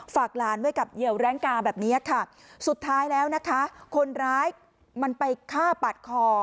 ฝากหลานไว้กับเหยื่อแรงกาแบบนี้ค่ะสุดท้ายแล้วนะคะคนร้ายมันไปฆ่าปาดคอ